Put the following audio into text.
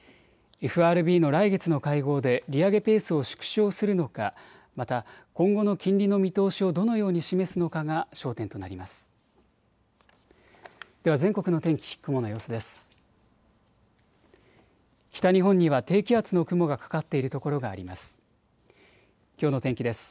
ＦＲＢの来月の会合で利上げペースを縮小するのか、また今後の金利の見通しをどのように示すのかが焦点となります。